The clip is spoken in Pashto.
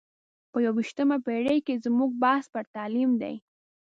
په یو ویشتمه پېړۍ کې زموږ بحث پر تعلیم دی.